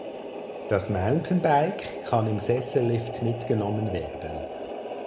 Das Mountainbike kann im Sessellift mitgenommen werden.